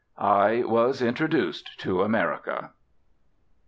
I was introduced to America.